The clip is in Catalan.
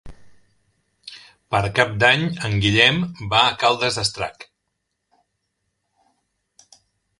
Per Cap d'Any en Guillem va a Caldes d'Estrac.